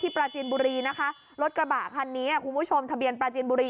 ปราจีนบุรีนะคะรถกระบะคันนี้คุณผู้ชมทะเบียนปราจีนบุรี